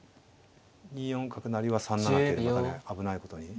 ２四角成は３七桂馬がね危ないことに。